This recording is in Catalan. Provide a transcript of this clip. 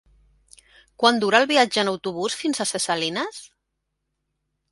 Quant dura el viatge en autobús fins a Ses Salines?